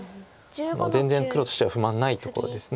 全然黒としては不満ないところです。